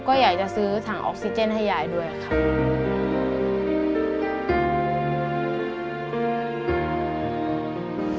ก็อยากจะซื้อถังออกซิเจนให้ยายด้วยค่ะ